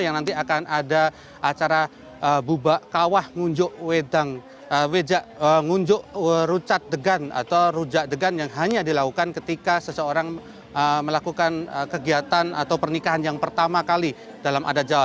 yang nanti akan ada acara bubak kawah ngunjuk rucat degan atau rujak degan yang hanya dilakukan ketika seseorang melakukan kegiatan atau pernikahan yang pertama kali dalam adat jawa